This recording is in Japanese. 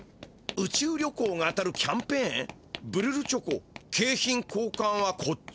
「宇宙旅行があたるキャンペーンブルルチョコけいひんこうかんはこっち」。